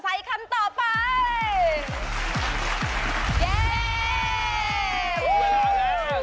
มาทันเบาแดง